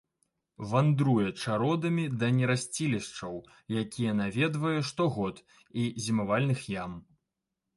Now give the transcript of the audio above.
Вандруе чародамі да нерасцілішчаў, якія наведвае штогод, і зімавальных ям.